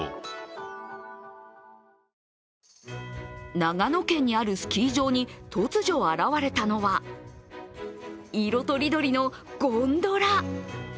長野県にあるスキー場に突如現れたのは色とりどりのゴンドラ。